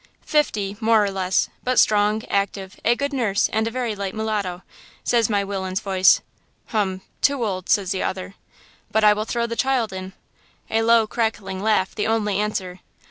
"'Fifty–more or less, but strong, active, a good nurse and a very light mulatto,' says my willain's voice. "'Hum–too old,' says the other. "'But I will throw the child in.' "A low, crackling laugh the only answer.